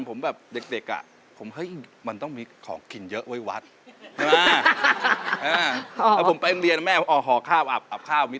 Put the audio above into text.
ไปทำอะไร๕ขวบ๖ขวบ